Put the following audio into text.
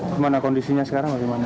gimana kondisinya sekarang